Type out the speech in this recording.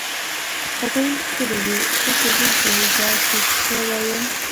هغوی ښکلې وې؟ ته وپوهېږه چې څه وایم.